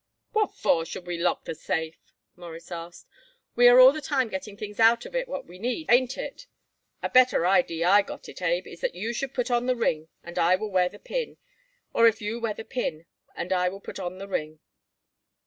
"What for should we lock the safe?" Morris asked. "We are all the time getting things out of it what we need. Ain't it? A better idee I got it, Abe, is that you should put on the ring and I will wear the pin, or you wear the pin and I will put on the ring."